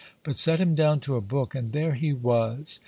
But set him down to a book, and there he was!